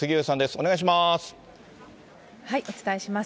お願いします。